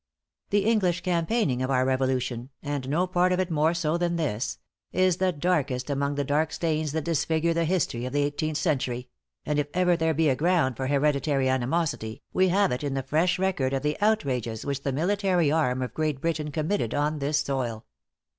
The English campaigning of our Revolution and no part of it more so than this is the darkest among the dark stains that disfigure the history of the eighteenth century; and if ever there be a ground for hereditary animosity, we have it in the fresh record of the outrages which the military arm of Great Britain committed on this soil.